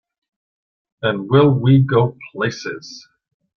And will we go places!